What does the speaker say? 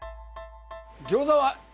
餃子は。